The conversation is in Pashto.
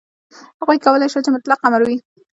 هغوی کولای شول چې مطلق امر وي.